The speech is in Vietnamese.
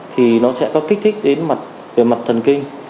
thì nó sẽ có kích thích đến mặt về mặt thần kinh